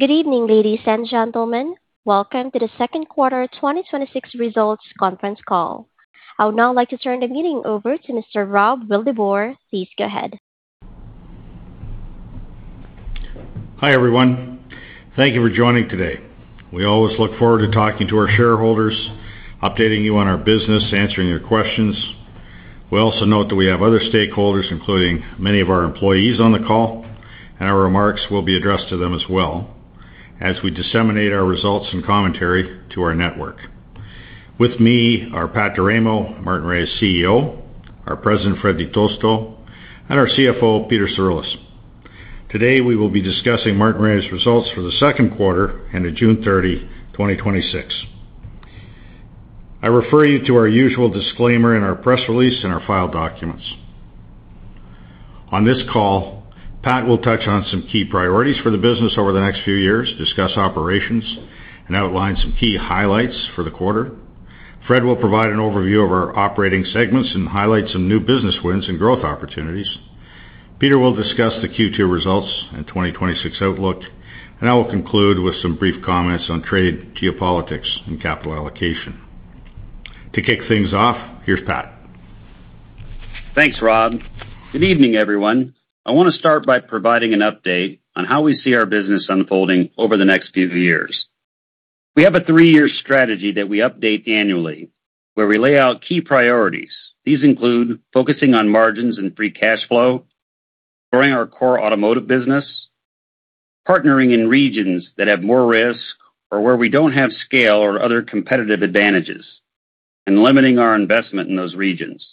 Good evening, ladies and gentlemen. Welcome to the second quarter 2026 results conference call. I would now like to turn the meeting over to Mr. Rob Wildeboer. Please go ahead. Hi, everyone. Thank you for joining today. We always look forward to talking to our shareholders, updating you on our business, answering your questions. We also note that we have other stakeholders, including many of our employees on the call, and our remarks will be addressed to them as well as we disseminate our results and commentary to our network. With me are Pat D'Eramo, Martinrea's CEO, our president, Fred Di Tosto, and our CFO, Peter Cirulis. Today, we will be discussing Martinrea's results for the second quarter end of June 30, 2026. I refer you to our usual disclaimer in our press release and our file documents. On this call, Pat will touch on some key priorities for the business over the next few years, discuss operations, and outline some key highlights for the quarter. Fred will provide an overview of our operating segments and highlight some new business wins and growth opportunities. Peter will discuss the Q2 results and 2026 outlook. I will conclude with some brief comments on trade, geopolitics, and capital allocation. To kick things off, here's Pat. Thanks, Rob. Good evening, everyone. I want to start by providing an update on how we see our business unfolding over the next few years. We have a three-year strategy that we update annually, where we lay out key priorities. These include focusing on margins and free cash flow, growing our core automotive business, partnering in regions that have more risk or where we don't have scale or other competitive advantages, and limiting our investment in those regions,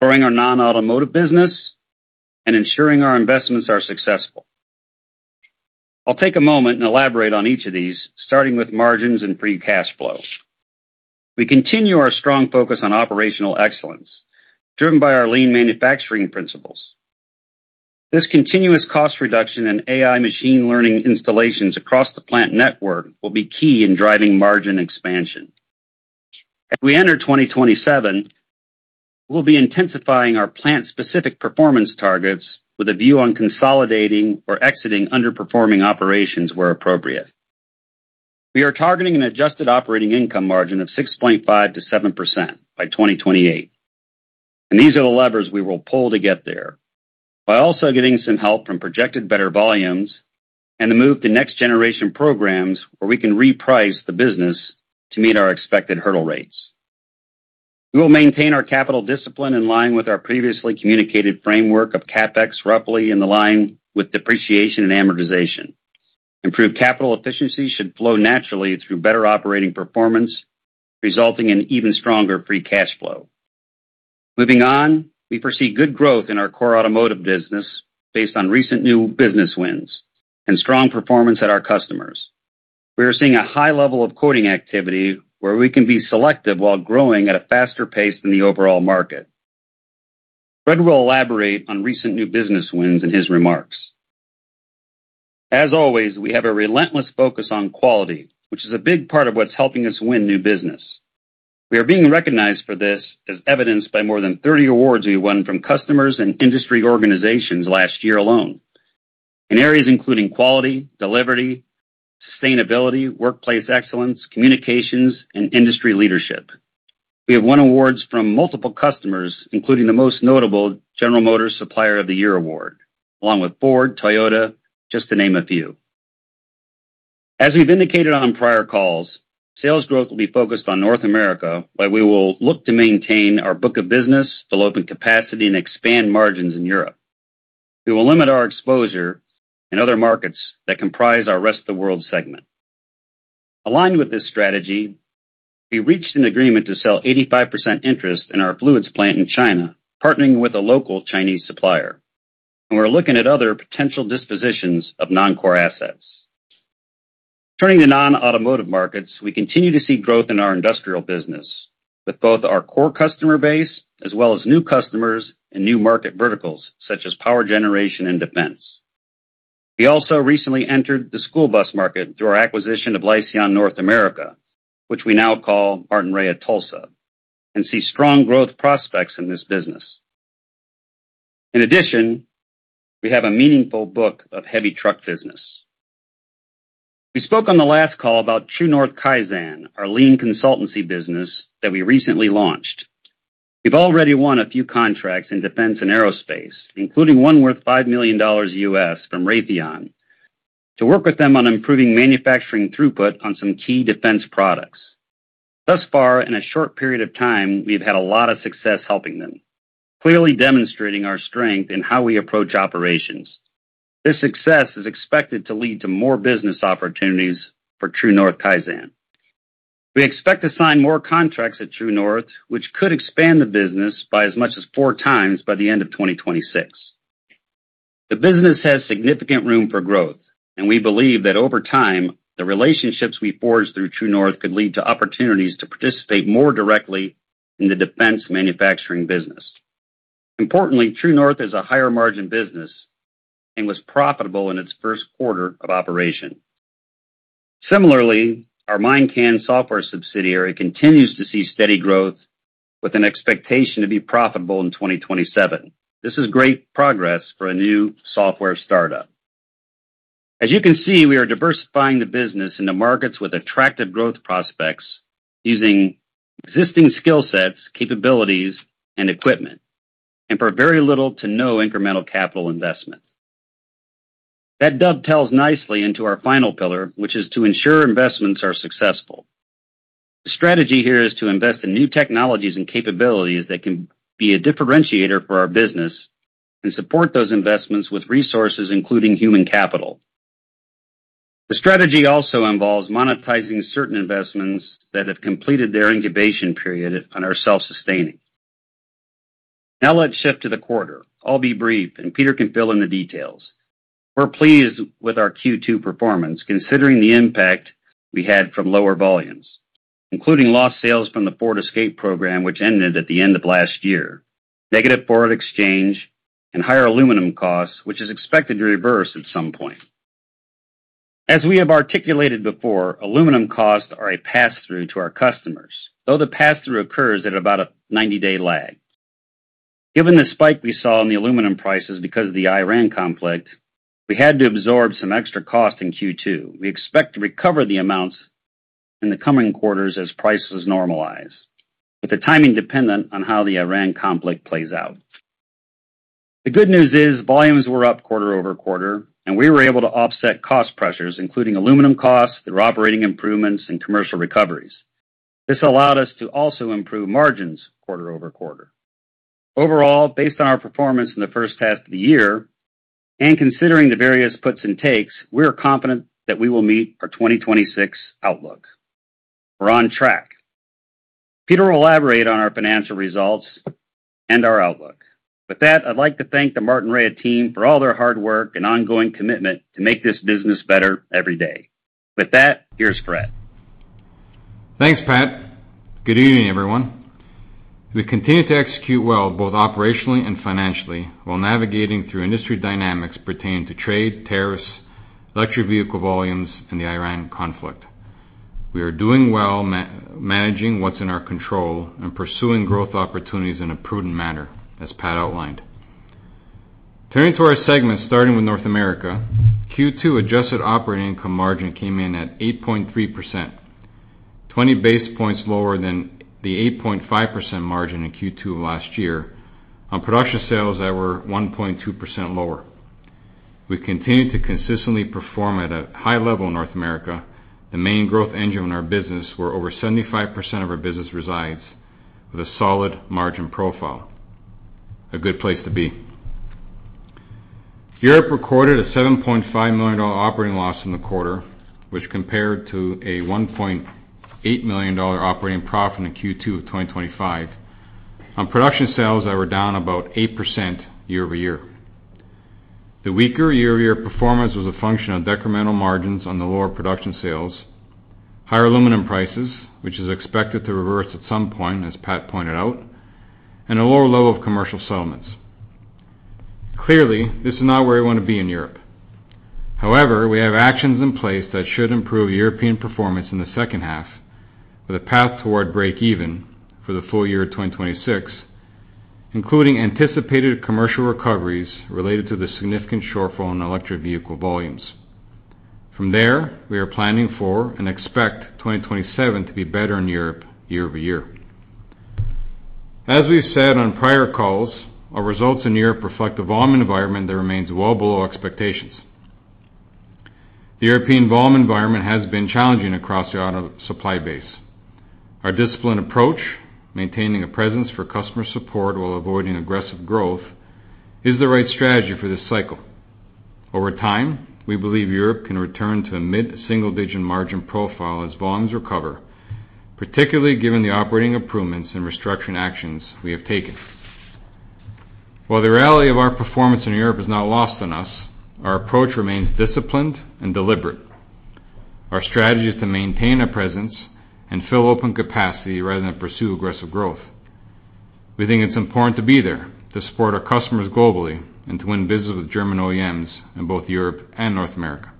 growing our non-automotive business, and ensuring our investments are successful. I'll take a moment and elaborate on each of these, starting with margins and free cash flow. We continue our strong focus on operational excellence, driven by our lean manufacturing principles. This continuous cost reduction and AI machine learning installations across the plant network will be key in driving margin expansion. As we enter 2027, we will be intensifying our plant-specific performance targets with a view on consolidating or exiting underperforming operations where appropriate. We are targeting an adjusted operating income margin of 6.5%-7% by 2028, and these are the levers we will pull to get there. By also getting some help from projected better volumes and the move to next-generation programs where we can reprice the business to meet our expected hurdle rates. We will maintain our capital discipline in line with our previously communicated framework of CapEx, roughly in the line with depreciation and amortization. Improved capital efficiency should flow naturally through better operating performance, resulting in even stronger free cash flow. Moving on, we foresee good growth in our core automotive business based on recent new business wins and strong performance at our customers. We are seeing a high level of quoting activity where we can be selective while growing at a faster pace than the overall market. Fred will elaborate on recent new business wins in his remarks. As always, we have a relentless focus on quality, which is a big part of what's helping us win new business. We are being recognized for this as evidenced by more than 30 awards we won from customers and industry organizations last year alone. In areas including quality, delivery, sustainability, workplace excellence, communications, and industry leadership. We have won awards from multiple customers, including the most notable General Motors Supplier of the Year award, along with Ford, Toyota, just to name a few. As we've indicated on prior calls, sales growth will be focused on North America, but we will look to maintain our book of business, fill open capacity, and expand margins in Europe. We will limit our exposure in other markets that comprise our rest of world segment. Aligned with this strategy, we reached an agreement to sell 85% interest in our fluids plant in China, partnering with a local Chinese supplier, and we're looking at other potential dispositions of non-core assets. Turning to non-automotive markets, we continue to see growth in our industrial business with both our core customer base as well as new customers and new market verticals such as power generation and defense. We also recently entered the school bus market through our acquisition of Lyseon North America, which we now call Martinrea Tulsa, and see strong growth prospects in this business. In addition, we have a meaningful book of heavy truck business. We spoke on the last call about TrueNorth Kaizen, our lean consultancy business that we recently launched. We've already won a few contracts in defense and aerospace, including one worth 5 million dollars from Raytheon, to work with them on improving manufacturing throughput on some key defense products. Thus far, in a short period of time, we've had a lot of success helping them, clearly demonstrating our strength in how we approach operations. This success is expected to lead to more business opportunities for TrueNorth Kaizen. We expect to sign more contracts at TrueNorth, which could expand the business by as much as 4x by the end of 2026. The business has significant room for growth, and we believe that over time, the relationships we forge through TrueNorth could lead to opportunities to participate more directly in the defense manufacturing business. Importantly, TrueNorth is a higher-margin business and was profitable in its first quarter of operation. Similarly, our MiNDCAN software subsidiary continues to see steady growth with an expectation to be profitable in 2027. This is great progress for a new software startup. As you can see, we are diversifying the business into markets with attractive growth prospects using existing skill sets, capabilities, and equipment, and for very little to no incremental capital investment. That dovetails nicely into our final pillar, which is to ensure investments are successful. The strategy here is to invest in new technologies and capabilities that can be a differentiator for our business and support those investments with resources, including human capital. The strategy also involves monetizing certain investments that have completed their incubation period and are self-sustaining. Now let's shift to the quarter. I'll be brief, and Peter can fill in the details. We're pleased with our Q2 performance, considering the impact we had from lower volumes, including lost sales from the Ford Escape program, which ended at the end of last year, negative foreign exchange, and higher aluminum costs, which is expected to reverse at some point. As we have articulated before, aluminum costs are a pass-through to our customers, though the pass-through occurs at about a 90-day lag. Given the spike we saw in the aluminum prices because of the Iran conflict, we had to absorb some extra cost in Q2. We expect to recover the amounts in the coming quarters as prices normalize, with the timing dependent on how the Iran conflict plays out. The good news is volumes were up quarter-over-quarter, and we were able to offset cost pressures, including aluminum costs, through operating improvements and commercial recoveries. This allowed us to also improve margins quarter-over-quarter. Overall, based on our performance in the first half of the year, and considering the various puts and takes, we're confident that we will meet our 2026 outlook. We're on track. Peter will elaborate on our financial results and our outlook. With that, I'd like to thank the Martinrea team for all their hard work and ongoing commitment to make this business better every day. With that, here's Fred. Thanks, Pat. Good evening, everyone. We continue to execute well both operationally and financially, while navigating through industry dynamics pertaining to trade, tariffs, electric vehicle volumes, and the Iran conflict. We are doing well managing what's in our control and pursuing growth opportunities in a prudent manner, as Pat outlined. Turning to our segments, starting with North America, Q2 adjusted operating income margin came in at 8.3%, 20 basis points lower than the 8.5% margin in Q2 of last year on production sales that were 1.2% lower. We've continued to consistently perform at a high level in North America, the main growth engine in our business, where over 75% of our business resides with a solid margin profile. A good place to be. Europe recorded a 7.5 million dollar operating loss in the quarter, which compared to a 1.8 million dollar operating profit in the Q2 of 2025 on production sales that were down about 8% year-over-year. The weaker year-over-year performance was a function of decremental margins on the lower production sales, higher aluminum prices, which is expected to reverse at some point, as Pat pointed out, and a lower level of commercial settlements. Clearly, this is not where we want to be in Europe. We have actions in place that should improve European performance in the second half with a path toward break even for the full year of 2026, including anticipated commercial recoveries related to the significant shortfall in electric vehicle volumes. From there, we are planning for and expect 2027 to be better in Europe year-over-year. As we've said on prior calls, our results in Europe reflect a volume environment that remains well below expectations. The European volume environment has been challenging across the auto supply base. Our disciplined approach, maintaining a presence for customer support while avoiding aggressive growth, is the right strategy for this cycle. Over time, we believe Europe can return to a mid-single-digit margin profile as volumes recover, particularly given the operating improvements and restructuring actions we have taken. While the reality of our performance in Europe is not lost on us, our approach remains disciplined and deliberate. Our strategy is to maintain a presence and fill open capacity rather than pursue aggressive growth. We think it's important to be there to support our customers globally and to win business with German OEMs in both Europe and North America.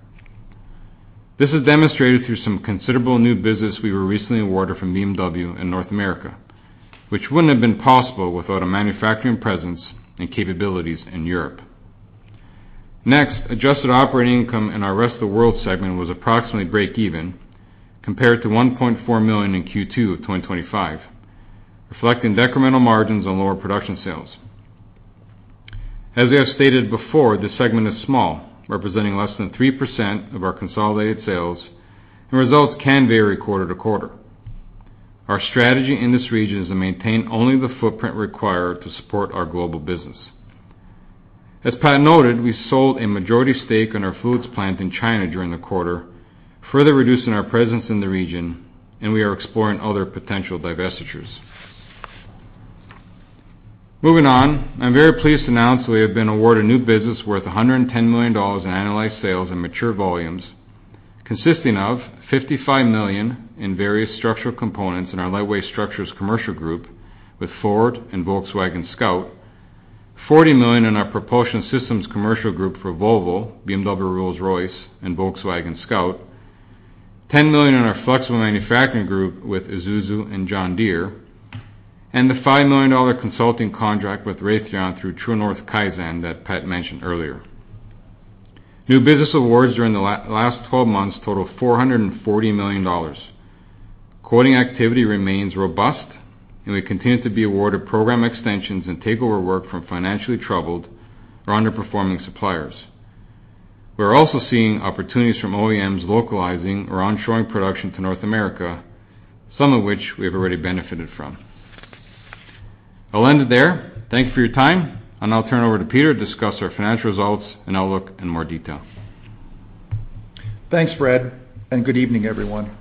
This is demonstrated through some considerable new business we were recently awarded from BMW in North America, which wouldn't have been possible without a manufacturing presence and capabilities in Europe. Adjusted operating income in our Rest of the World segment was approximately break even, compared to 1.4 million in Q2 of 2025, reflecting decremental margins on lower production sales. As I have stated before, this segment is small, representing less than 3% of our consolidated sales, and results can vary quarter-to-quarter. Our strategy in this region is to maintain only the footprint required to support our global business. As Pat noted, we sold a majority stake in our fluids plant in China during the quarter, further reducing our presence in the region, and we are exploring other potential divestitures. I'm very pleased to announce that we have been awarded new business worth 110 million dollars in analyzed sales and mature volumes, consisting of 55 million in various structural components in our Lightweight Structures commercial group with Ford and Scout Motors, 40 million in our Propulsion Systems commercial group for Volvo, BMW, Rolls-Royce, and Scout Motors, 10 million in our Flexible Manufacturing group with Isuzu and John Deere, and the 5 million dollar consulting contract with Raytheon through TrueNorth Kaizen that Pat mentioned earlier. New business awards during the last 12 months total 440 million dollars. Quoting activity remains robust, and we continue to be awarded program extensions and takeover work from financially troubled or underperforming suppliers. We're also seeing opportunities from OEMs localizing or onshoring production to North America, some of which we have already benefited from. I'll end it there. Thank you for your time, and I'll turn it over to Peter to discuss our financial results and outlook in more detail. Thanks, Fred, and good evening, everyone.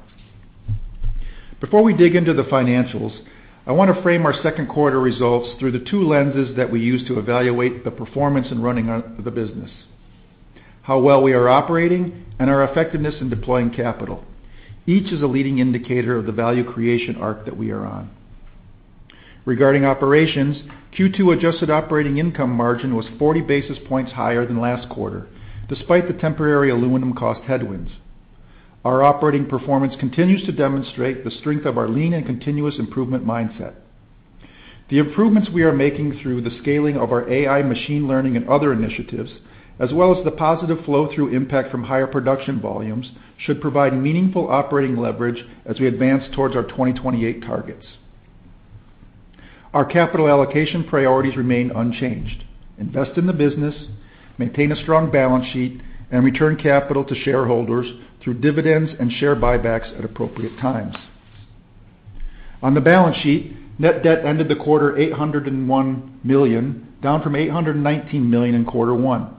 Before we dig into the financials, I want to frame our second quarter results through the two lenses that we use to evaluate the performance in running the business, how well we are operating, and our effectiveness in deploying capital. Each is a leading indicator of the value creation arc that we are on. Regarding operations, Q2 adjusted operating income margin was 40 basis points higher than last quarter, despite the temporary aluminum cost headwinds. Our operating performance continues to demonstrate the strength of our lean and continuous improvement mindset. The improvements we are making through the scaling of our AI machine learning and other initiatives, as well as the positive flow-through impact from higher production volumes, should provide meaningful operating leverage as we advance towards our 2028 targets. Our capital allocation priorities remain unchanged. Invest in the business, maintain a strong balance sheet, and return capital to shareholders through dividends and share buybacks at appropriate times. On the balance sheet, net debt ended the quarter 801 million, down from 819 million in quarter one.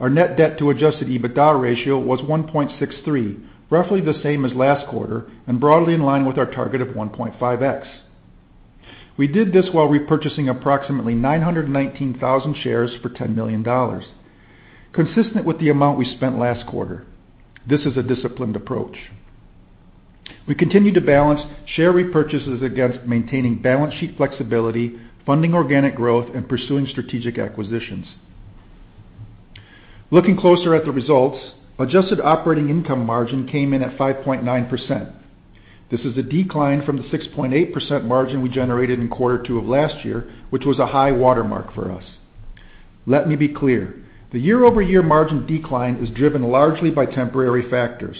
Our net debt to adjusted EBITDA ratio was 1.63, roughly the same as last quarter and broadly in line with our target of 1.5x. We did this while repurchasing approximately 919,000 shares for 10 million dollars, consistent with the amount we spent last quarter. This is a disciplined approach. We continue to balance share repurchases against maintaining balance sheet flexibility, funding organic growth, and pursuing strategic acquisitions. Looking closer at the results, adjusted operating income margin came in at 5.9%. This is a decline from the 6.8% margin we generated in quarter two of last year, which was a high watermark for us. Let me be clear. The year-over-year margin decline is driven largely by temporary factors.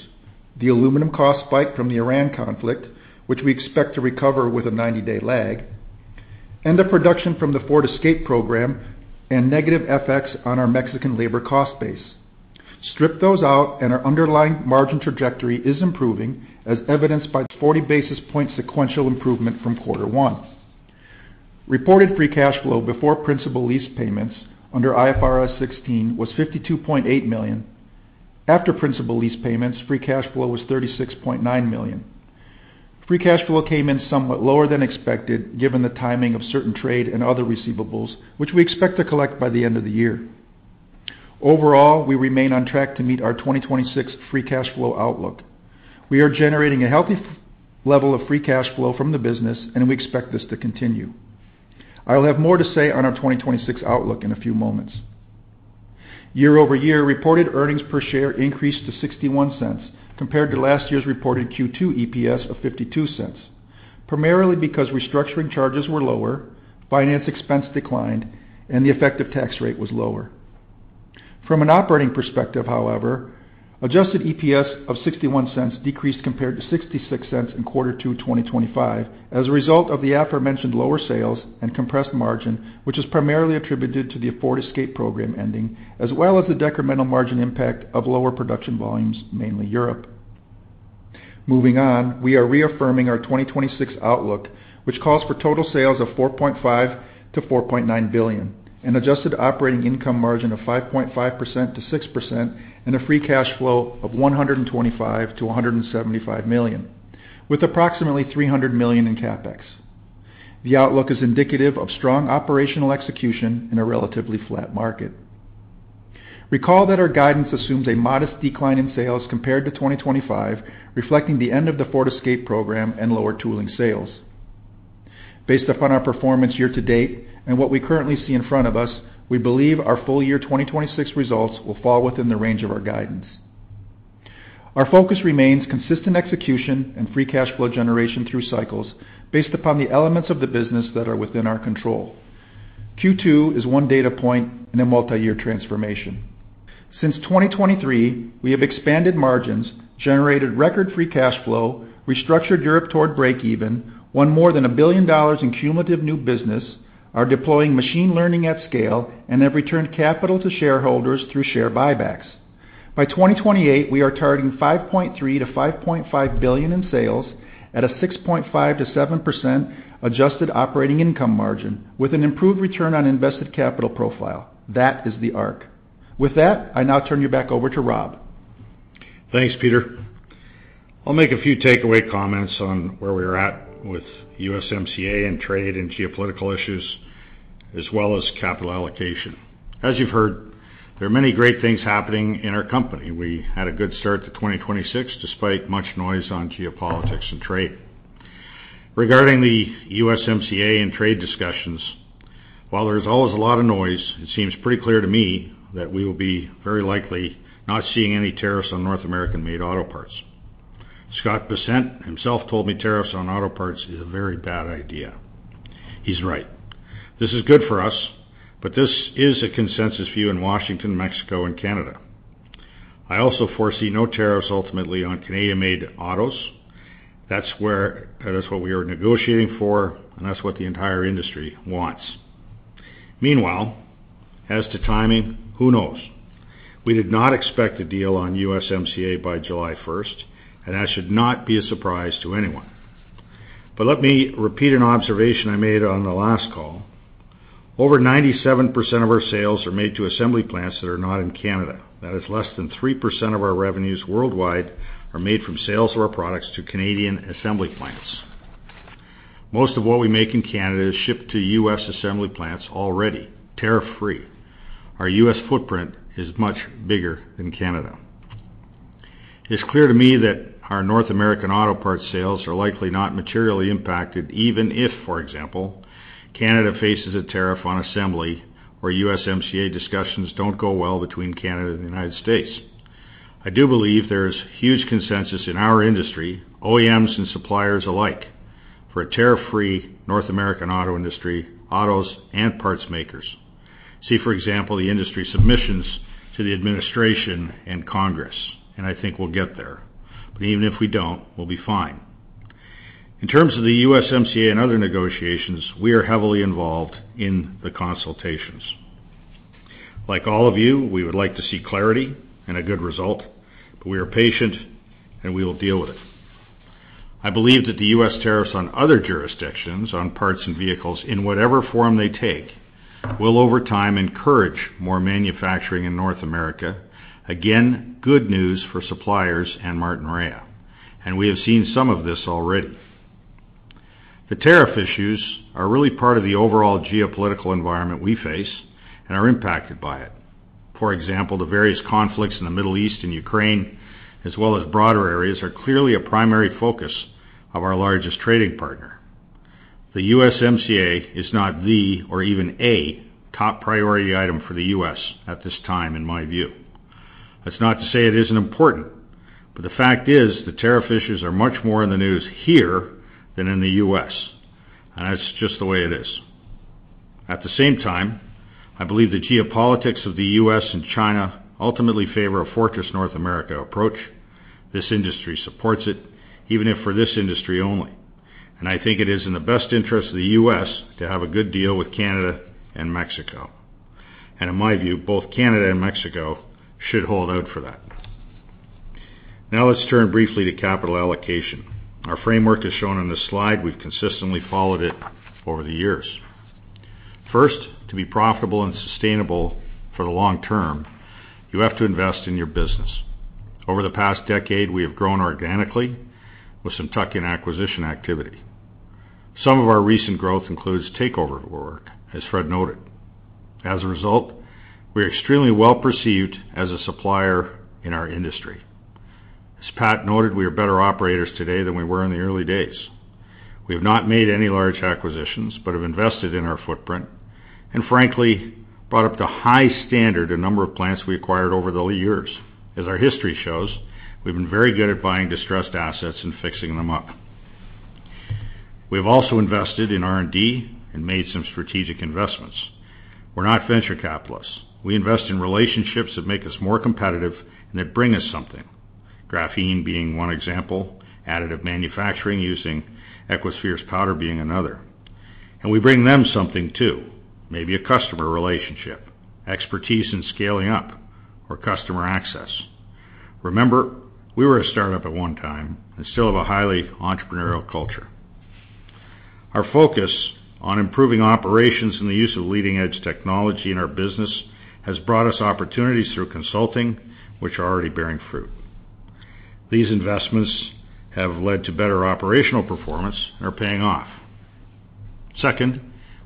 The aluminum cost spike from the Iran conflict, which we expect to recover with a 90-day lag, and the production from the Ford Escape program and negative FX on our Mexican labor cost base. Strip those out and our underlying margin trajectory is improving, as evidenced by the 40 basis point sequential improvement from quarter one. Reported free cash flow before principal lease payments under IFRS 16 was 52.8 million. After principal lease payments, free cash flow was 36.9 million. Free cash flow came in somewhat lower than expected given the timing of certain trade and other receivables, which we expect to collect by the end of the year. Overall, we remain on track to meet our 2026 free cash flow outlook. We are generating a healthy level of free cash flow from the business, and we expect this to continue. I'll have more to say on our 2026 outlook in a few moments. Year-over-year reported earnings per share increased to 0.61 compared to last year's reported Q2 EPS of 0.52, primarily because restructuring charges were lower, finance expense declined, and the effective tax rate was lower. From an operating perspective, however, adjusted EPS of 0.61 decreased compared to 0.66 in Q2 2025 as a result of the aforementioned lower sales and compressed margin, which is primarily attributed to the Ford Escape program ending, as well as the decremental margin impact of lower production volumes, mainly Europe. Moving on, we are reaffirming our 2026 outlook, which calls for total sales of 4.5 billion-4.9 billion, an adjusted operating income margin of 5.5%-6%, and a free cash flow of 125 million-175 million with approximately 300 million in CapEx. The outlook is indicative of strong operational execution in a relatively flat market. Recall that our guidance assumes a modest decline in sales compared to 2025, reflecting the end of the Ford Escape program and lower tooling sales. Based upon our performance year to date and what we currently see in front of us, we believe our full year 2026 results will fall within the range of our guidance. Our focus remains consistent execution and free cash flow generation through cycles based upon the elements of the business that are within our control. Q2 is one data point in a multi-year transformation. Since 2023, we have expanded margins, generated record free cash flow, restructured Europe toward break even, won more than 1 billion dollars in cumulative new business, are deploying machine learning at scale, and have returned capital to shareholders through share buybacks. By 2028, we are targeting 5.3 billion-5.5 billion in sales at a 6.5%-7% adjusted operating income margin with an improved return on invested capital profile. That is the arc. With that, I now turn you back over to Rob. Thanks, Peter. I'll make a few takeaway comments on where we are at with USMCA and trade and geopolitical issues, as well as capital allocation. As you've heard, there are many great things happening in our company. We had a good start to 2026, despite much noise on geopolitics and trade Regarding the USMCA and trade discussions, while there's always a lot of noise, it seems pretty clear to me that we will be very likely not seeing any tariffs on North American-made auto parts. Scott Bessent himself told me tariffs on auto parts is a very bad idea. He's right. This is good for us, but this is a consensus view in Washington, Mexico, and Canada. I also foresee no tariffs ultimately on Canadian-made autos. That is what we are negotiating for, and that's what the entire industry wants. Meanwhile, as to timing, who knows? We did not expect a deal on USMCA by July 1st, and that should not be a surprise to anyone. Let me repeat an observation I made on the last call. Over 97% of our sales are made to assembly plants that are not in Canada. That is less than 3% of our revenues worldwide are made from sales of our products to Canadian assembly plants. Most of what we make in Canada is shipped to U.S. assembly plants already, tariff-free. Our U.S. footprint is much bigger than Canada. It's clear to me that our North American auto parts sales are likely not materially impacted, even if, for example, Canada faces a tariff on assembly or USMCA discussions don't go well between Canada and the United States. I do believe there's huge consensus in our industry, OEMs and suppliers alike, for a tariff-free North American auto industry, autos, and parts makers. See, for example, the industry submissions to the administration and Congress, and I think we'll get there. Even if we don't, we'll be fine. In terms of the USMCA and other negotiations, we are heavily involved in the consultations. Like all of you, we would like to see clarity and a good result, but we are patient, and we will deal with it. I believe that the U.S. tariffs on other jurisdictions on parts and vehicles, in whatever form they take, will, over time, encourage more manufacturing in North America. Again, good news for suppliers and Martinrea, and we have seen some of this already. The tariff issues are really part of the overall geopolitical environment we face and are impacted by it. For example, the various conflicts in the Middle East and Ukraine, as well as broader areas, are clearly a primary focus of our largest trading partner. The USMCA is not the, or even a, top priority item for the U.S. at this time, in my view. That's not to say it isn't important, but the fact is, the tariff issues are much more in the news here than in the U.S., and that's just the way it is. At the same time, I believe the geopolitics of the U.S. and China ultimately favor a fortress North America approach. This industry supports it, even if for this industry only, and I think it is in the best interest of the U.S. to have a good deal with Canada and Mexico. In my view, both Canada and Mexico should hold out for that. Let's turn briefly to capital allocation. Our framework is shown on this slide. We've consistently followed it over the years. First, to be profitable and sustainable for the long term, you have to invest in your business. Over the past decade, we have grown organically with some tuck-in acquisition activity. Some of our recent growth includes takeover work, as Fred noted. As a result, we are extremely well perceived as a supplier in our industry. As Pat noted, we are better operators today than we were in the early days. We have not made any large acquisitions, but have invested in our footprint, and frankly, brought up to high standard a number of plants we acquired over the years. As our history shows, we've been very good at buying distressed assets and fixing them up. We have also invested in R&D and made some strategic investments. We're not venture capitalists. We invest in relationships that make us more competitive and that bring us something. Graphene being one example, additive manufacturing using Equispheres's powder being another. We bring them something, too. Maybe a customer relationship, expertise in scaling up, or customer access. Remember, we were a startup at one time and still have a highly entrepreneurial culture. Our focus on improving operations and the use of leading-edge technology in our business has brought us opportunities through consulting, which are already bearing fruit. These investments have led to better operational performance and are paying off. Second,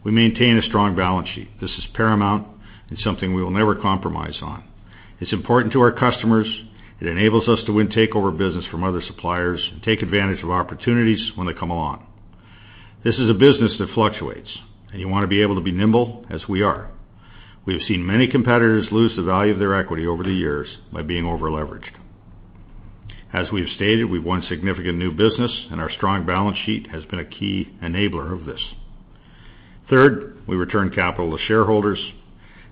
we maintain a strong balance sheet. This is paramount and something we will never compromise on. It's important to our customers. It enables us to win takeover business from other suppliers and take advantage of opportunities when they come along. You want to be able to be nimble, as we are. We have seen many competitors lose the value of their equity over the years by being over-leveraged. As we've stated, we've won significant new business and our strong balance sheet has been a key enabler of this. Third, we return capital to shareholders.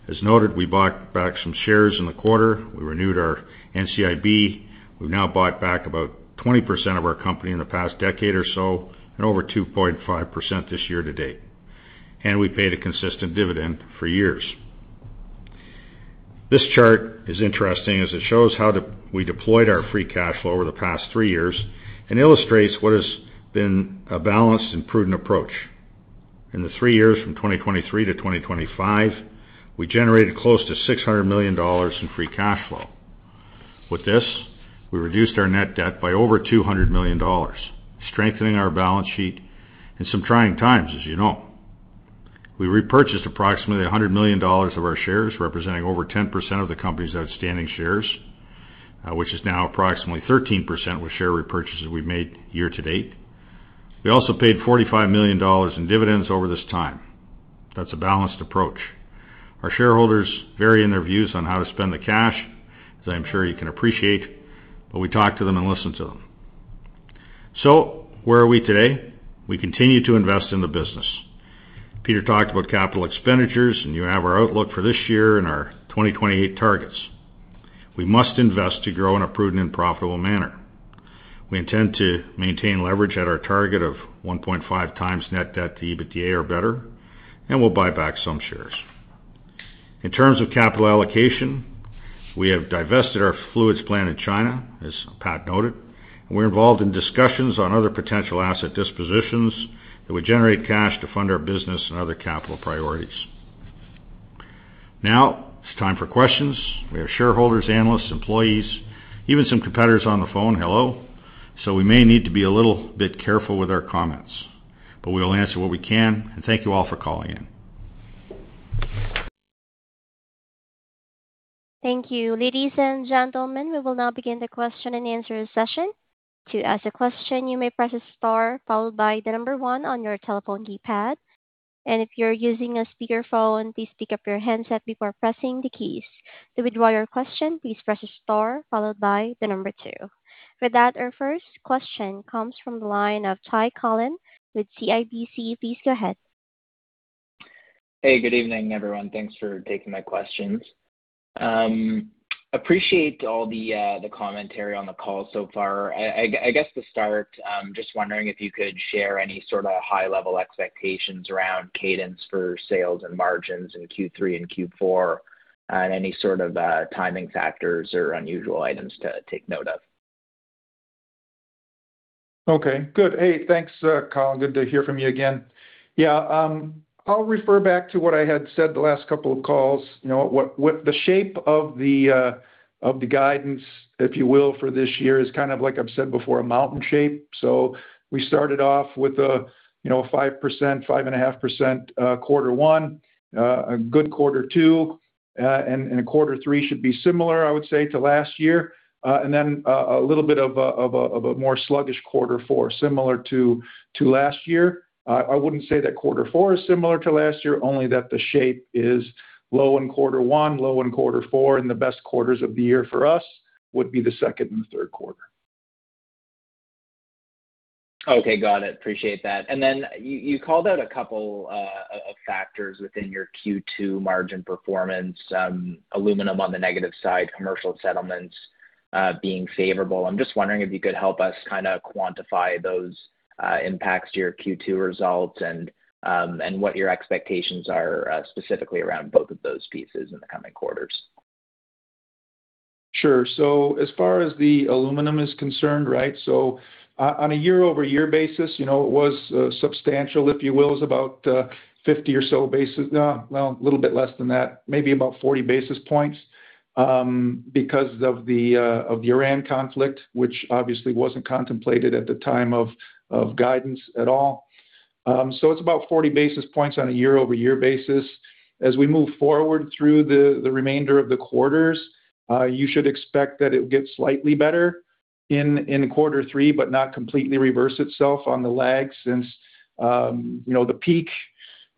As noted, we bought back some shares in the quarter. We renewed our NCIB. We've now bought back about 20% of our company in the past decade or so and over 2.5% this year to date. We paid a consistent dividend for years. This chart is interesting as it shows how we deployed our free cash flow over the past three years and illustrates what has been a balanced and prudent approach. In the three years from 2023 to 2025, we generated close to 600 million dollars in free cash flow. With this, we reduced our net debt by over 200 million dollars, strengthening our balance sheet in some trying times, as you know. We repurchased approximately 100 million dollars of our shares, representing over 10% of the company's outstanding shares, which is now approximately 13% with share repurchases we've made year to date. We also paid 45 million dollars in dividends over this time. That's a balanced approach. Our shareholders vary in their views on how to spend the cash, as I'm sure you can appreciate, but we talk to them and listen to them. Where are we today? We continue to invest in the business. Peter talked about capital expenditures, and you have our outlook for this year and our 2028 targets. We must invest to grow in a prudent and profitable manner. We intend to maintain leverage at our target of 1.5x net debt to EBITDA or better, and we'll buy back some shares. In terms of capital allocation, we have divested our fluids plant in China, as Pat noted, and we're involved in discussions on other potential asset dispositions that would generate cash to fund our business and other capital priorities. It's time for questions. We have shareholders, analysts, employees, even some competitors on the phone, hello. We may need to be a little bit careful with our comments, but we'll answer what we can. Thank you all for calling in. Thank you. Ladies and gentlemen, we will now begin the question and answer session. To ask a question, you may press star followed by the number one on your telephone keypad. If you're using a speakerphone, please pick up your handset before pressing the keys. To withdraw your question, please press star followed by the number two. With that, our first question comes from the line of Ty Collin with CIBC. Please go ahead. Hey, good evening, everyone. Thanks for taking my questions. Appreciate all the commentary on the call so far. I guess to start, just wondering if you could share any sort of high level expectations around cadence for sales and margins in Q3 and Q4 and any sort of timing factors or unusual items to take note of. Okay, good. Hey, thanks, Collin. Good to hear from you again. Yeah, I'll refer back to what I had said the last couple of calls. The shape of the guidance, if you will, for this year is kind of like I've said before, a mountain shape. We started off with a 5%, 5.5% quarter one, a good quarter two, quarter three should be similar, I would say, to last year. Then a little bit of a more sluggish quarter four, similar to last year. I wouldn't say that quarter four is similar to last year, only that the shape is low in quarter one, low in quarter four, and the best quarters of the year for us would be the second and the third quarter. Okay, got it. Appreciate that. You called out a couple of factors within your Q2 margin performance, aluminum on the negative side, commercial settlements being favorable. I'm just wondering if you could help us kind of quantify those impacts to your Q2 results and what your expectations are specifically around both of those pieces in the coming quarters. Sure. As far as the aluminum is concerned, right? On a year-over-year basis, it was substantial, if you will. It was about 40 basis points, because of the Iran conflict, which obviously wasn't contemplated at the time of guidance at all. It's about 40 basis points on a year-over-year basis. As we move forward through the remainder of the quarters, you should expect that it will get slightly better in quarter three, but not completely reverse itself on the lag since the peak,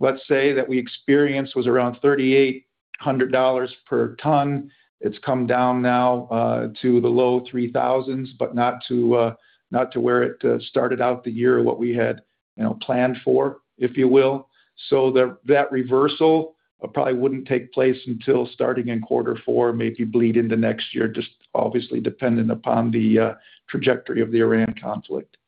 let's say, that we experienced was around 3,800 dollars per tonne. It's come down now to the low CAD 3,000s, but not to where it started out the year, what we had planned for, if you will. That reversal probably wouldn't take place until starting in quarter four, maybe bleed into next year, just obviously dependent upon the trajectory of the Iran conflict.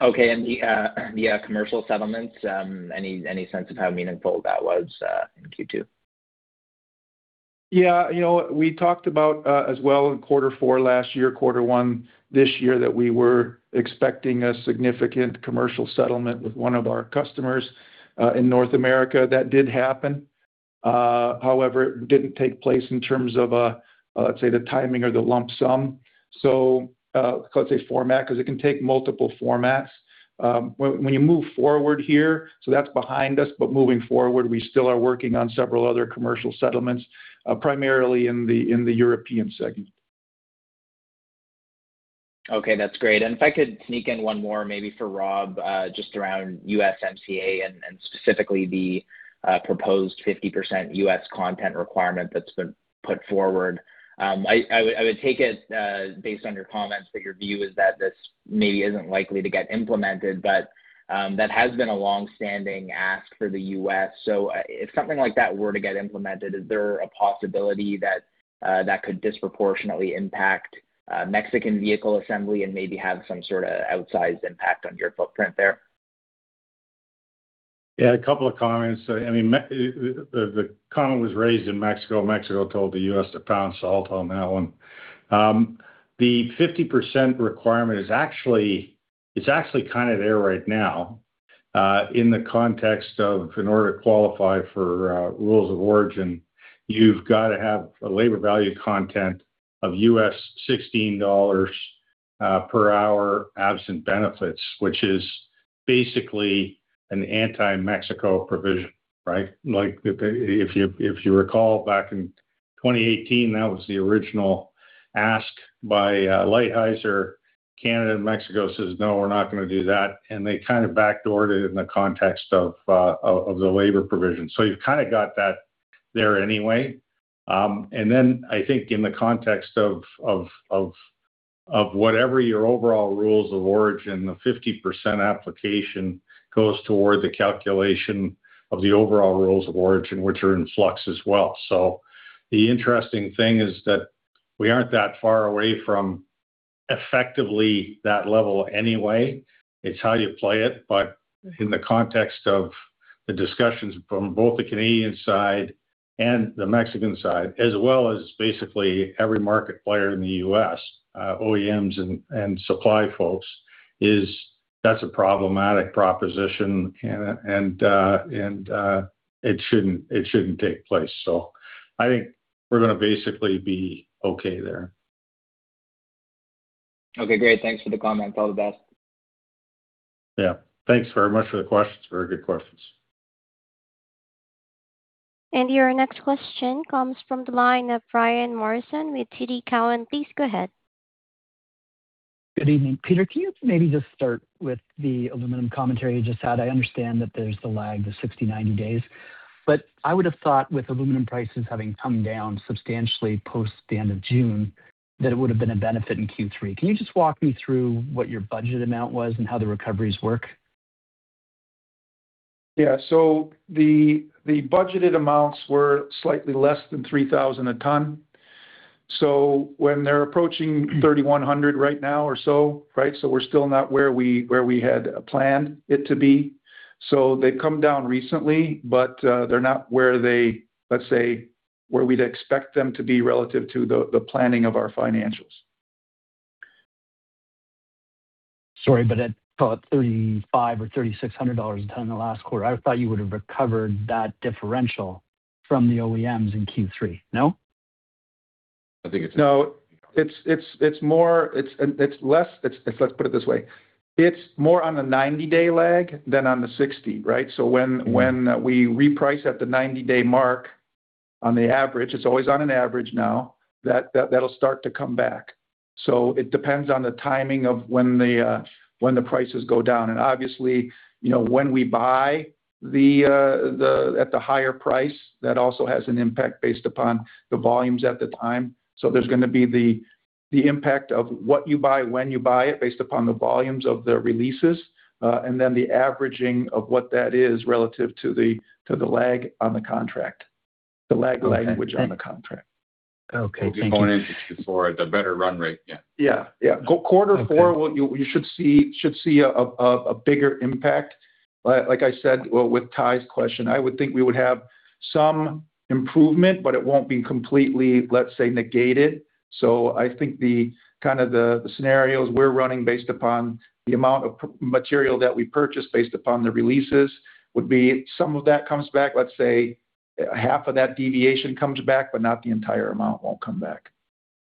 Okay, the commercial settlements, any sense of how meaningful that was in Q2? Yeah. We talked about as well in quarter four last year, quarter one this year, that we were expecting a significant commercial settlement with one of our customers in North America. That did happen. However, it didn't take place in terms of, let's say, the timing or the lump sum. Let's say format, because it can take multiple formats. When you move forward here, that's behind us, moving forward, we still are working on several other commercial settlements, primarily in the European segment. Okay, that's great. If I could sneak in one more maybe for Rob, just around USMCA and specifically the proposed 50% U.S. content requirement that's been put forward. I would take it, based on your comments, that your view is that this maybe isn't likely to get implemented, but that has been a longstanding ask for the U.S. If something like that were to get implemented, is there a possibility that that could disproportionately impact Mexican vehicle assembly and maybe have some sort of outsized impact on your footprint there? Yeah, a couple of comments. The comment was raised in Mexico. Mexico told the U.S. to pound salt on that one. The 50% requirement is actually kind of there right now in the context of in order to qualify for rules of origin, you've got to have a labor value content of U.S. $16 per hour absent benefits, which is basically an anti-Mexico provision, right? If you recall back in 2018, that was the original ask by Lighthizer. Canada and Mexico said, "No, we're not going to do that," and they kind of backdoored it in the context of the labor provision. You've kind of got that there anyway. I think in the context of whatever your overall rules of origin, the 50% application goes toward the calculation of the overall rules of origin, which are in flux as well. The interesting thing is that we aren't that far away from effectively that level anyway. It's how you play it. In the context of the discussions from both the Canadian side and the Mexican side, as well as basically every market player in the U.S., OEMs and supply folks, is that's a problematic proposition and it shouldn't take place. I think we're going to basically be okay there. Okay, great. Thanks for the comment. All the best. Yeah. Thanks very much for the questions. Very good questions. Your next question comes from the line of Brian Morrison with TD Cowen. Please go ahead. Good evening. Peter, can you maybe just start with the aluminum commentary you just had? I understand that there's the lag, the 60, 90 days, but I would have thought with aluminum prices having come down substantially post the end of June, that it would have been a benefit in Q3. Can you just walk me through what your budget amount was and how the recoveries work? Yeah. The budgeted amounts were slightly less than 3,000 a ton. When they're approaching 3,100 right now or so, right? We're still not where we had planned it to be. They've come down recently, but they're not where they, let's say, where we'd expect them to be relative to the planning of our financials. Sorry, at about 3,500 or 3,600 dollars a ton in the last quarter, I thought you would have recovered that differential from the OEMs in Q3. No? I think it's. No, let's put it this way. It's more on the 90-day lag than on the 60, right? When we reprice at the 90-day mark, on the average, it's always on an average now, that'll start to come back. It depends on the timing of when the prices go down. Obviously, when we buy at the higher price, that also has an impact based upon the volumes at the time. There's going to be the impact of what you buy, when you buy it, based upon the volumes of the releases, and then the averaging of what that is relative to the lag on the contract. The lag language on the contract. Okay. Thank you. If you go into Q4 at the better run rate, yeah. Yeah. Quarter four. You should see a bigger impact. Like I said with Ty's question, I would think we would have some improvement, but it won't be completely, let's say, negated. I think the kind of the scenarios we're running based upon the amount of material that we purchase, based upon the releases, would be some of that comes back. Let's say half of that deviation comes back, but not the entire amount won't come back.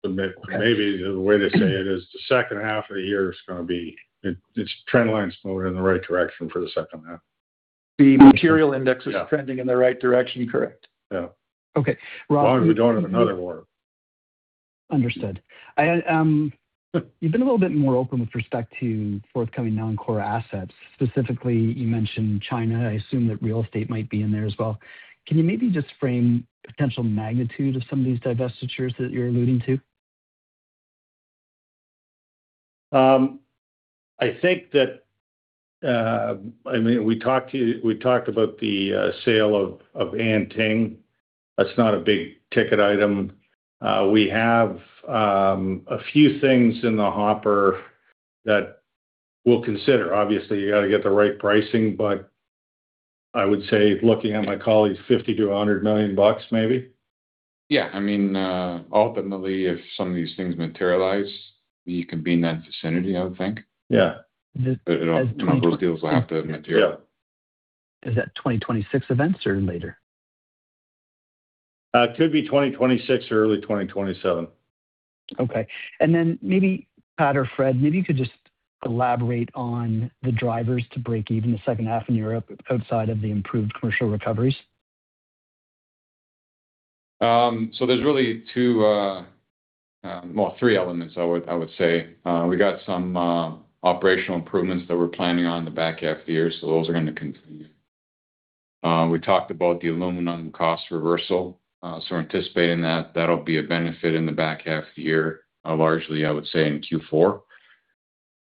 Maybe the way to say it is the second half of the year is going to be its trend line's moving in the right direction for the second half. The material index is trending in the right direction. Correct. Yeah. Okay. As long as we don't have another war. Understood. You've been a little bit more open with respect to forthcoming non-core assets. Specifically, you mentioned China. I assume that real estate might be in there as well. Can you maybe just frame the potential magnitude of some of these divestitures that you're alluding to? We talked about the sale of Anting. That's not a big-ticket item. We have a few things in the hopper that we'll consider. Obviously, you got to get the right pricing, but I would say, looking at my colleagues, 50 million-100 million bucks, maybe. Yeah. Ultimately, if some of these things materialize, you can be in that vicinity, I would think. Yeah. As people. A number of those deals will have to materialize. Yeah. Is that 2026 events or later? Could be 2026 or early 2027. Okay. Maybe Pat or Fred, maybe you could just elaborate on the drivers to break even the second half in Europe outside of the improved commercial recoveries. There's really two, well, three elements, I would say. We got some operational improvements that we're planning on in the back half of the year. Those are going to continue. We talked about the aluminum cost reversal. We're anticipating that that'll be a benefit in the back half of the year, largely, I would say, in Q4.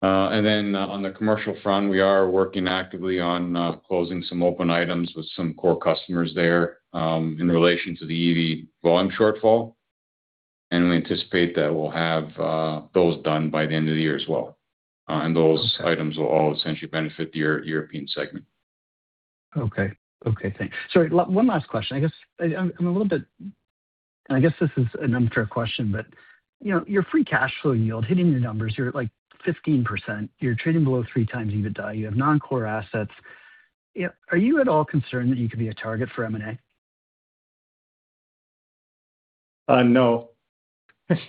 On the commercial front, we are working actively on closing some open items with some core customers there in relation to the EV volume shortfall. We anticipate that we'll have those done by the end of the year as well. Those items will all essentially benefit the European segment. Okay. Thanks. Sorry, one last question. I guess this is an unfair question. Your free cash flow yield, hitting your numbers, you're at 15%. You're trading below 3x EBITDA, you have non-core assets. Are you at all concerned that you could be a target for M&A? No. I'll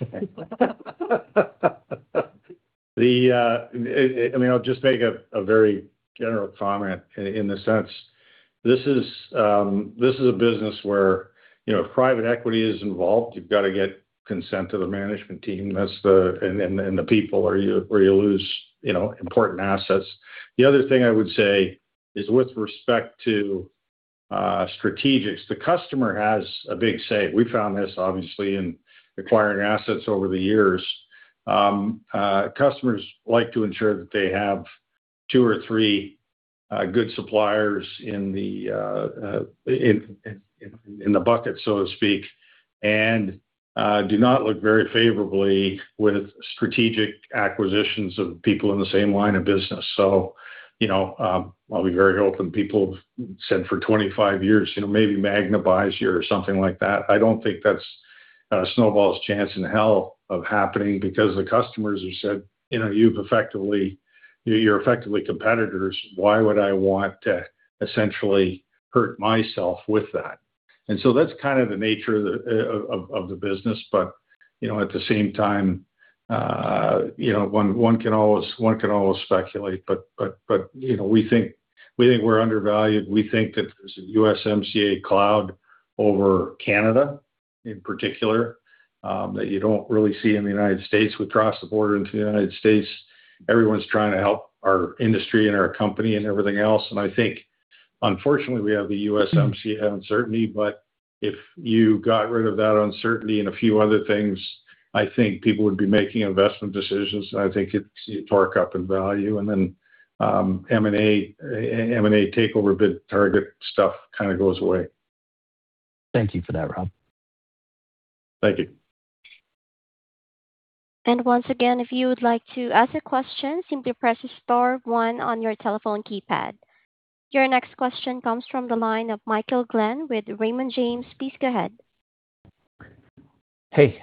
just make a very general comment in a sense. This is a business where, if private equity is involved, you've got to get consent to the management team and the people, or you lose important assets. The other thing I would say is with respect to strategics, the customer has a big say. We found this obviously in acquiring assets over the years. Customers like to ensure that they have two or three good suppliers in the bucket, so to speak. Do not look very favorably with strategic acquisitions of people in the same line of business. I'll be very open. People said for 25 years, maybe Magna buys you or something like that. I don't think that's a snowball's chance in hell of happening because the customers have said, "You're effectively competitors. Why would I want to essentially hurt myself with that?" That's kind of the nature of the business. At the same time, one can always speculate. We think we're undervalued. We think that there's a USMCA cloud over Canada, in particular, that you don't really see in the United States. We cross the border into the United States, everyone's trying to help our industry and our company and everything else. I think, unfortunately, we have the USMCA uncertainty. If you got rid of that uncertainty and a few other things, I think people would be making investment decisions. I think you'd torque up in value. M&A takeover bid target stuff kind of goes away. Thank you for that, Rob. Thank you. Once again, if you would like to ask a question, simply press star one on your telephone keypad. Your next question comes from the line of Michael Glen with Raymond James. Please go ahead. Hey.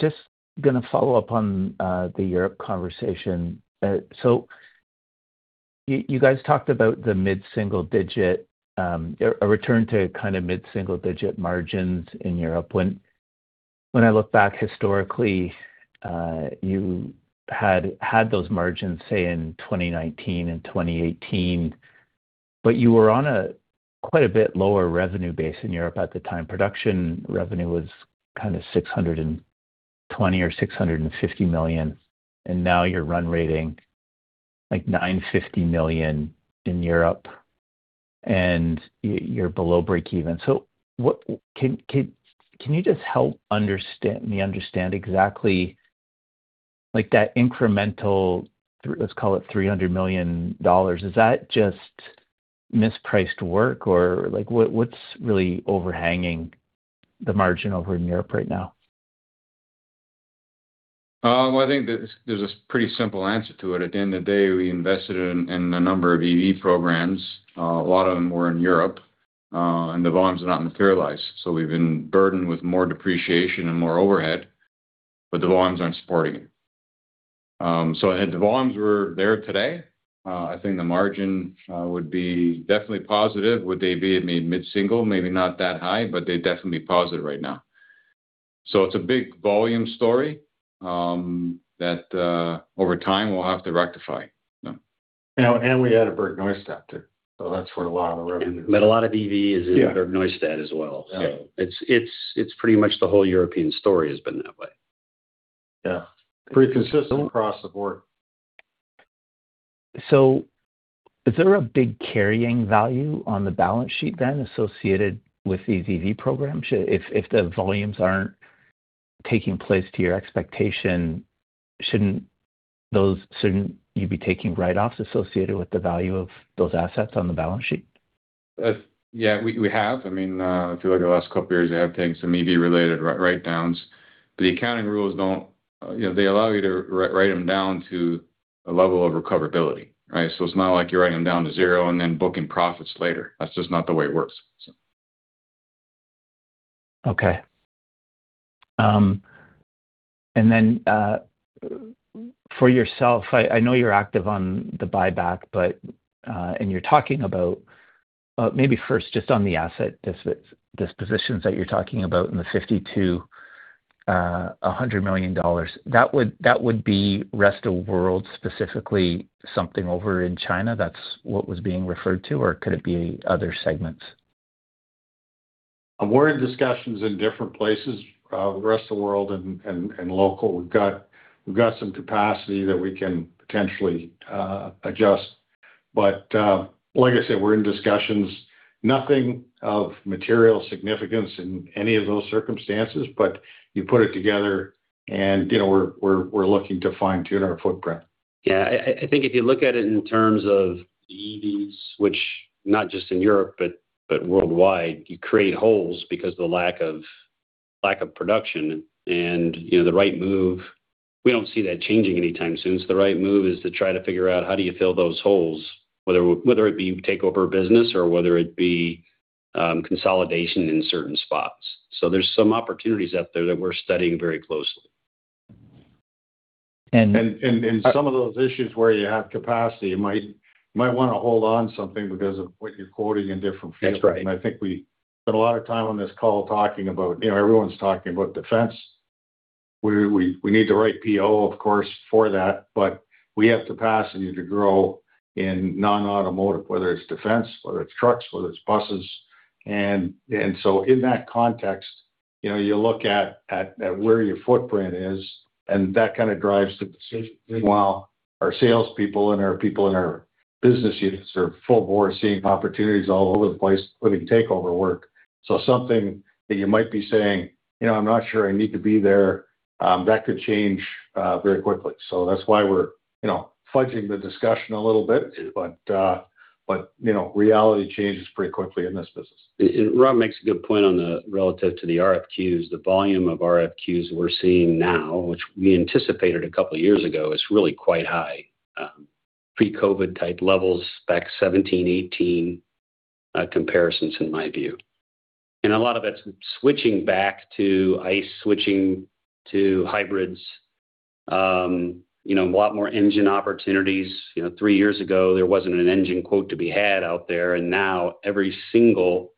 Just going to follow up on the Europe conversation. You guys talked about a return to mid-single-digit margins in Europe. When I look back historically, you had those margins, say, in 2019 and 2018. You were on a quite a bit lower revenue base in Europe at the time. Production revenue was 620 million or 650 million, and now you're run rating like 950 million in Europe, and you're below breakeven. Can you just help me understand exactly that incremental, let's call it 300 million dollars. Is that just mispriced work, or what's really overhanging the margin over in Europe right now? Well, I think there's a pretty simple answer to it. At the end of the day, we invested in a number of EV programs. A lot of them were in Europe, the volumes have not materialized. We've been burdened with more depreciation and more overhead, the volumes aren't supporting it. Had the volumes were there today, I think the margin would be definitely positive. Would they be at maybe mid-single? Maybe not that high, but they'd definitely be positive right now. It's a big volume story that over time we'll have to rectify. We added Bergneustadt after, that's where a lot of the revenue- A lot of EV is in Bergneustadt as well. Yeah. It's pretty much the whole European story has been that way. Yeah. Pretty consistent across the board. Is there a big carrying value on the balance sheet then associated with these EV programs? If the volumes aren't taking place to your expectation, shouldn't you be taking write-offs associated with the value of those assets on the balance sheet? Yeah, we have. If you look at the last couple of years, we have taken some EV-related write-downs. The accounting rules, they allow you to write them down to a level of recoverability, right? It's not like you're writing them down to zero and then booking profits later. That's just not the way it works. Okay. Then for yourself, I know you're active on the buyback, and you're talking about Maybe first, just on the asset dispositions that you're talking about in the 50 million-100 million dollars. That would be rest of world, specifically something over in China, that's what was being referred to, or could it be other segments? We're in discussions in different places, the rest of the world and local. We've got some capacity that we can potentially adjust. Like I said, we're in discussions. Nothing of material significance in any of those circumstances, you put it together and we're looking to fine-tune our footprint. I think if you look at it in terms of EVs, which not just in Europe but worldwide, you create holes because of the lack of production and the right move. We don't see that changing anytime soon. The right move is to try to figure out how do you fill those holes, whether it be take over business or whether it be consolidation in certain spots. There's some opportunities out there that we're studying very closely. Some of those issues where you have capacity, you might want to hold on something because of what you're quoting in different fields. That's right. I think we spent a lot of time on this call talking about, everyone's talking about defense. We need the right PO, of course, for that, but we have capacity to grow in non-automotive, whether it's defense, whether it's trucks, whether it's buses. In that context, you look at where your footprint is, and that kind of drives the decision. While our salespeople and our people in our business units are full board seeing opportunities all over the place, including takeover work. Something that you might be saying, "I'm not sure I need to be there," that could change very quickly. That's why we're fudging the discussion a little bit. Reality changes pretty quickly in this business. Rob makes a good point on the relative to the RFQs. The volume of RFQs we're seeing now, which we anticipated a couple of years ago, is really quite high. Pre-COVID type levels, back 2017, 2018, comparisons in my view. A lot of that's switching back to ICE, switching to hybrids. A lot more engine opportunities. Three years ago, there wasn't an engine quote to be had out there, and now every single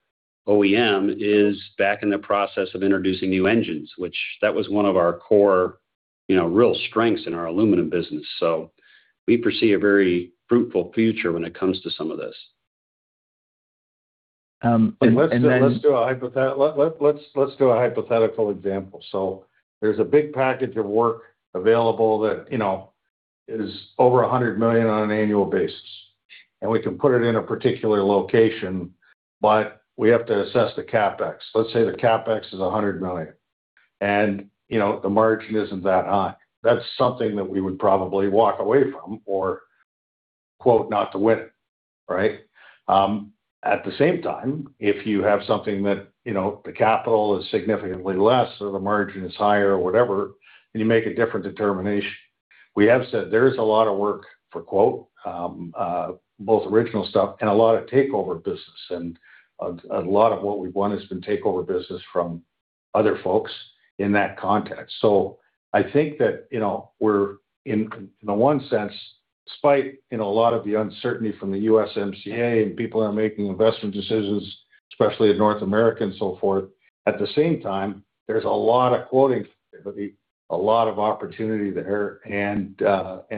OEM is back in the process of introducing new engines, which that was one of our core real strengths in our aluminum business. We foresee a very fruitful future when it comes to some of this. Let's do a hypothetical example. There's a big package of work available that is over 100 million on an annual basis. We can put it in a particular location, but we have to assess the CapEx. Let's say the CapEx is 100 million, and the margin isn't that high. That's something that we would probably walk away from or quote not to win, right? At the same time, if you have something that the capital is significantly less or the margin is higher or whatever, then you make a different determination. We have said there is a lot of work for quote, both original stuff and a lot of takeover business, and a lot of what we've won has been takeover business from other folks in that context. I think that we're in the one sense, despite a lot of the uncertainty from the USMCA and people are making investment decisions, especially in North America and so forth, at the same time, there's a lot of quoting capability, a lot of opportunity there.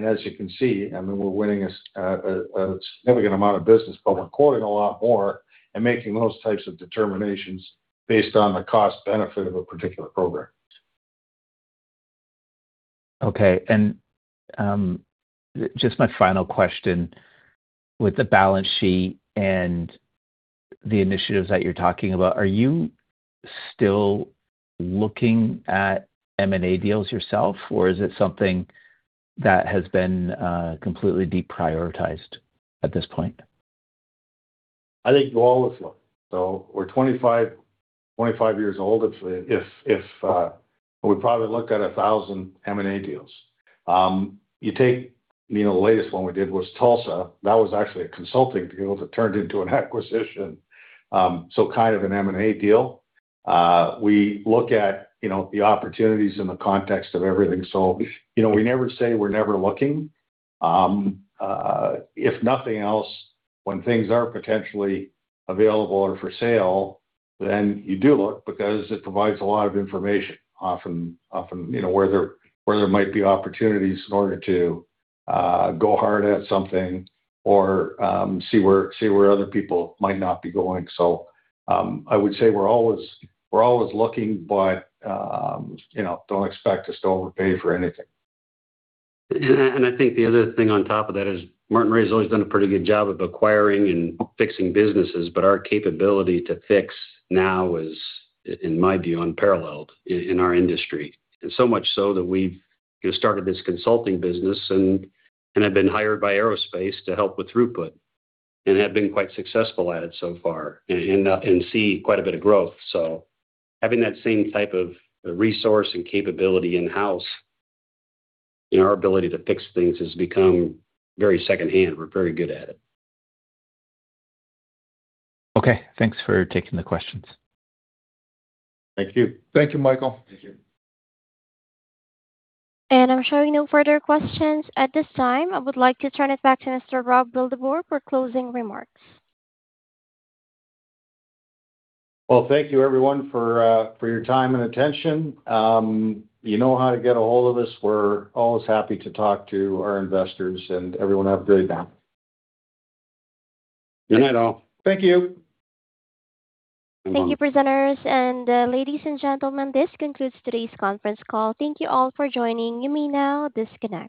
As you can see, I mean, we're winning a significant amount of business, but we're quoting a lot more and making those types of determinations based on the cost benefit of a particular program. Okay. Just my final question, with the balance sheet and the initiatives that you're talking about, are you still looking at M&A deals yourself, or is it something that has been completely deprioritized at this point? I think you always look. We're 25 years old. We probably looked at 1,000 M&A deals. You take the latest one we did was Tulsa. That was actually a consulting deal that turned into an acquisition. Kind of an M&A deal. We look at the opportunities in the context of everything. We never say we're never looking. If nothing else, when things are potentially available or for sale, then you do look because it provides a lot of information often where there might be opportunities in order to go hard at something or see where other people might not be going. I would say we're always looking, but don't expect us to overpay for anything. I think the other thing on top of that is Martinrea has always done a pretty good job of acquiring and fixing businesses, but our capability to fix now is, in my view, unparalleled in our industry. So much so that we've started this consulting business and have been hired by aerospace to help with throughput and have been quite successful at it so far and see quite a bit of growth. Having that same type of resource and capability in-house in our ability to fix things has become very secondhand. We're very good at it. Okay. Thanks for taking the questions. Thank you. Thank you, Michael. Thank you. I'm showing no further questions at this time. I would like to turn it back to Mr. Rob Wildeboer for closing remarks. Well, thank you everyone for your time and attention. You know how to get a hold of us. We're always happy to talk to our investors and everyone have a good night. Good night all. Thank you. Thank you, presenters. Ladies and gentlemen, this concludes today's conference call. Thank you all for joining. You may now disconnect.